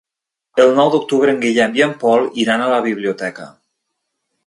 El nou d'octubre en Guillem i en Pol iran a la biblioteca.